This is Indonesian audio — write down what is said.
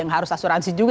nggak harus asuransi juga